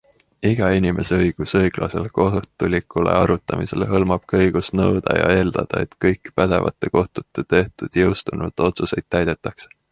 Iga inimese õigus õiglasele kohtulikule arutamisele hõlmab ka õigust nõuda ja eeldada, et kõiki pädevate kohtute tehtud jõustunud otsuseid täidetakse.